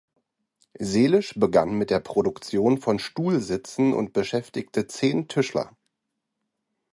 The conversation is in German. Seelisch begann mit der Produktion von Stuhlsitzen und beschäftigte zehn Tischler.